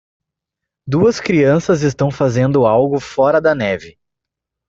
Duas crianças estão fazendo algo fora da neve.